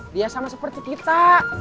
dia sama seperti kita